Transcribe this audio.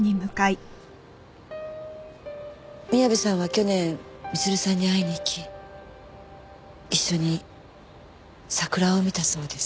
宮部さんは去年光留さんに会いに行き一緒に桜を見たそうです。